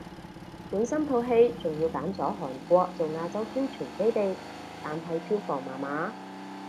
本身套戲仲要揀咗韓國做亞洲宣傳基地，但係票房麻麻